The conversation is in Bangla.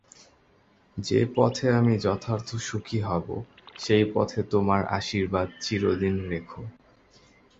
যে পথে আমি যথার্থ সুখী হব সেই পথে তোমার আশীর্বাদ চিরদিন রেখো।